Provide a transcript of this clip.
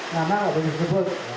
nama gak boleh disebut